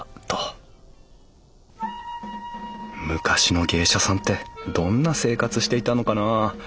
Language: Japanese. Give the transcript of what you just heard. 昔の芸者さんってどんな生活していたのかな？